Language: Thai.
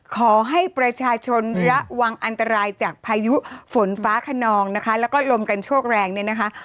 ขอให้ประชาชนระวังอันตรายจากพายุฝนฟ้าขนองนะคะแล้วก็ลมกันโชคแรงเนี่ยนะคะ